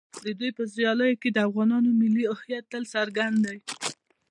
د دوی په سیالیو کې د افغانانو ملي هویت تل څرګند دی.